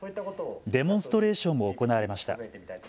デモンストレーションも行われました。